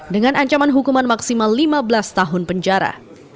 dengan ancaman hukuman maksimal lima belas tahun penjara